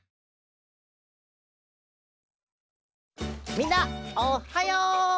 みんなおはよう！